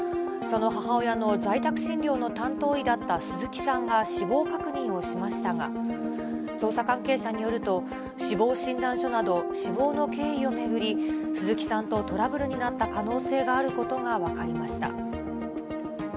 その母親の在宅診療の担当医だった鈴木さんが死亡確認をしましたが、捜査関係者によると、死亡診断書など、死亡の経緯を巡り、鈴木さんとトラブルになった可能性があることが分かりました。